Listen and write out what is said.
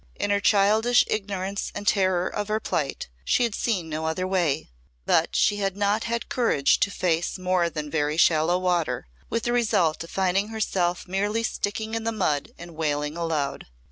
In her childish ignorance and terror of her plight she had seen no other way, but she had not had courage to face more than very shallow water, with the result of finding herself merely sticking in the mud and wailing aloud.